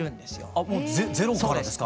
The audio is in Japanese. あもうゼロからですか？